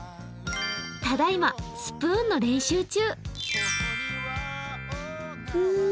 ただいまスプーンの練習中。